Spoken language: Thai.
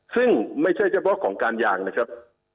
ซึ่งไม่ใช่เฉพาะของการยางนะครับ